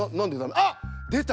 あっでた！